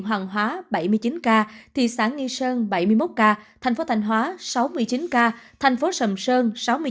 hoàng hóa thị xã nghi sơn thành phố thanh hóa thành phố sầm sơn